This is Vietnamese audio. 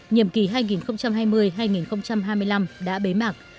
nhiệm kỳ hai nghìn hai mươi hai nghìn hai mươi năm đã bế mạc